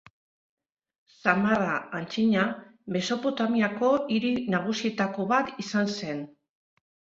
Samarra, antzina, Mesopotamiako hiri nagusietako bat izan zen.